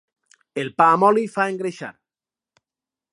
El pa amb oli fa engreixar.